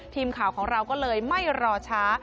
ทีมข่าวของเราก็เลยไม่รอช้า